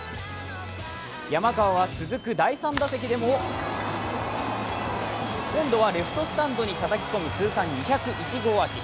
山川は続く第３打席でも、今度はレフトスタンドにたたき込む通算２０１号アーチ。